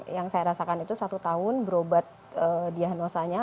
yang saya rasakan itu satu tahun berobat diagnosanya